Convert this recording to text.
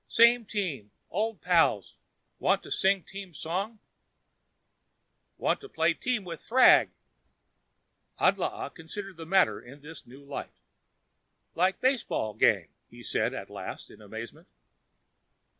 "Same team. Old pals. Want sing team song?" "Want play team with thrag." Adlaa considered the matter in this new light. "Like ball game," he said at last in amazement.